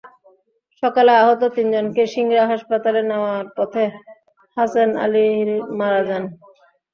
সকালে আহত তিনজনকে সিংড়া হাসপাতালে নেওয়ার পথে হাছেন আলীর মারা যান।